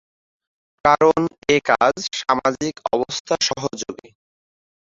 কারণ এ কাজ সামাজিক অবস্থা সহযোগী।